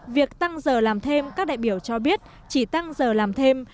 việc tăng giờ làm thêm các đại biểu cho biết chỉ tăng giờ làm thêm